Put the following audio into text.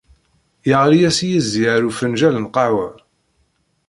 Yeɣli-as yizi ar ufenǧal n lqahwa.